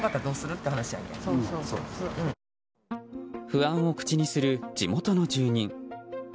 不安を口にする地元の住人。